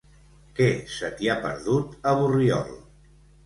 Què se t'hi ha perdut, a Borriol?